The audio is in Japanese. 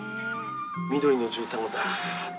緑のじゅうたんがダっと。